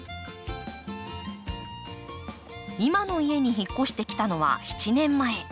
今の家に引っ越してきたのは７年前。